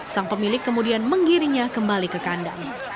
sang pemilik kemudian menggiringnya kembali ke kandang